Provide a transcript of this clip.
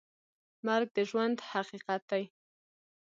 مرګ د ژوند حقیقت دی؟